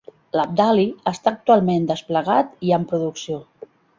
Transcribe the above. L'Abdali està actualment desplegat i en producció.